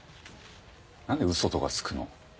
何で嘘とかつくの？